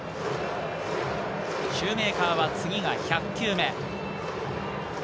シューメーカーは次が１００球目。